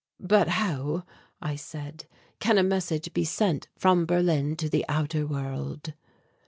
"But how," I said, "can a message be sent from Berlin to the outer world?"